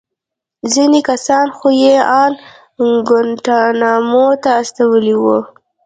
ځينې کسان خو يې ان گوانټانامو ته استولي وو.